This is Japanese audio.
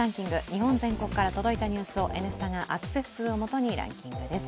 日本全国から届いたニュースを「Ｎスタ」がアクセス数をもとにランキングです。